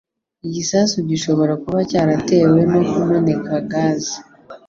Igisasu gishobora kuba cyaratewe no kumeneka gaze.